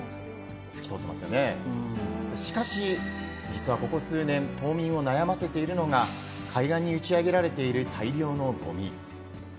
しかし実はここ数年、島民を悩ませているのが、海外に打ち上げられている大量のゴミ。